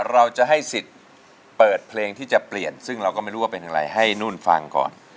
เราจะให้สิทธิ์เปิดเพลงที่จะเปลี่ยนซึ่งเราก็ไม่รู้ว่าเป็นอย่างไรให้นุ่นฟังก่อน